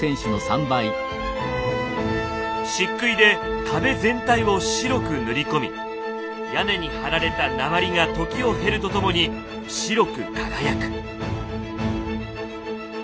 漆喰で壁全体を白く塗り込み屋根に張られた鉛が時を経るとともに白く輝く。